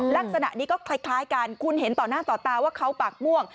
ลักษณะนี้ก็คล้ายกันคุณเห็นต่อหน้าต่อตาว่าเขาปากม่วง